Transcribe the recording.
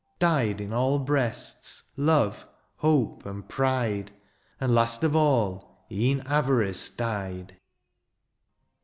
Died in all breasts^ love^ hope, and pride ; And last of all, e'en ayarice died